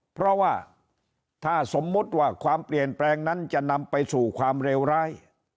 เพราะว่าถ้าสมมุติว่าความเปลี่ยนแปลงนั้นจะนำไปสู่ความเลวร้าย